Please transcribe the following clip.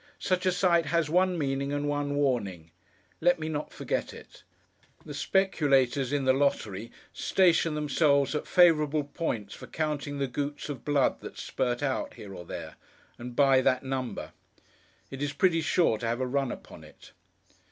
Such a sight has one meaning and one warning. Let me not forget it. The speculators in the lottery, station themselves at favourable points for counting the gouts of blood that spirt out, here or there; and buy that number. It is pretty sure to have a run upon it.